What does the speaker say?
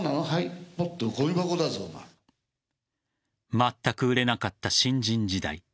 まったく売れなかった新人時代。